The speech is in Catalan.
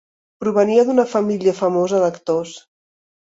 Provenia d'una família famosa d'actors.